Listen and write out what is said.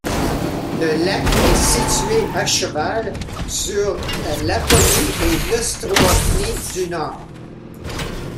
Le lac est situé à cheval sur la Laponie et l'Ostrobotnie du Nord.